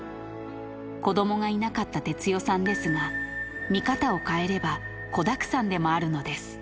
子どもがいなかった哲代さんですが、見方を変えれば、子だくさんでもあるのです。